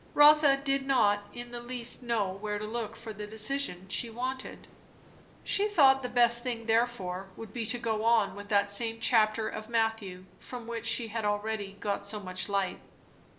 Rotha did not in the least know where to look for the decision she wanted; she thought the best thing therefore would be to go on with that same chapter of Matthew from which she had already got so much light.